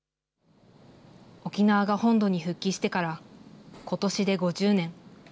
沖縄が本土に復帰してから、ことしで５０年。